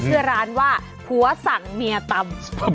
ชื่อร้านว่าผัวสั่งเมียตำ